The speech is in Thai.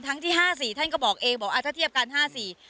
ที่ห้าสี่ท่านก็บอกเองบอกอ่าถ้าเทียบกันห้าสี่